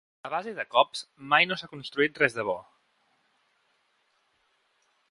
A base de cops mai no s’ha construït res de bo.